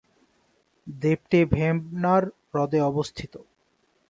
দ্বীপটি ভেম্বনাড় হ্রদে অবস্থিত।